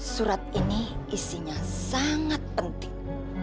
surat ini isinya sangat penting